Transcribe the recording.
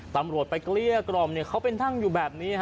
ตำรวจไปเกลี้ยกล่อมเขาเป็นนั่งอยู่แบบนี้